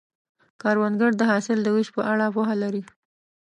کروندګر د حاصل د ویش په اړه پوهه لري